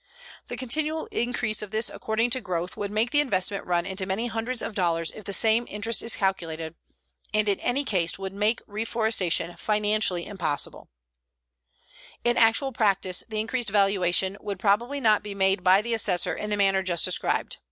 The continual increase of this according to growth would make the investment run into many hundreds of dollars if the same interest is calculated, and in any case would make reforestation financially impossible. In actual practice, the increased valuation would probably not be made by the assessor in the manner just described.